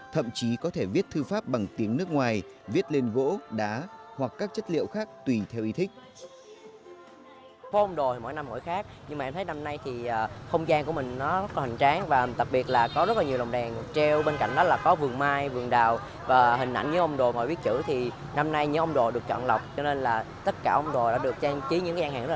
thậm chí có thể viết thư pháp bằng tiếng nước ngoài viết lên gỗ đá hoặc các chất liệu khác tùy theo ý thích